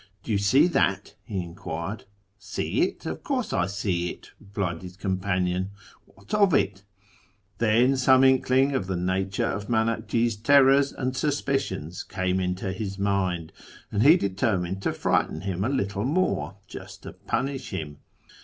' Do you see that ?' he iquired. ' See it ? Of course I see it,' replied his com anion, ' What of it ?' Then some inkling of the nature of [tinakji's terrors and suspicions came into his mind, and he jtermined to frighten him a little more, just to punish him.